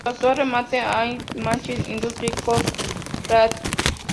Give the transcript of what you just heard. Su actual remanente, "Aichi Machine Industry Co., Ltd.